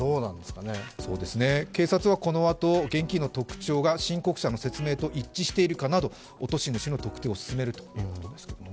警察はこのあと、現金の特徴が申告者の説明と一致しているかなど落とし主の特定を進めるということですけどね。